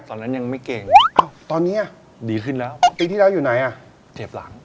ตอนนั้นยังไม่เก่งอ้าวตอนนี้ดีขึ้นแล้วปีที่แล้วอยู่ไหนอ่ะเจ็บหลัง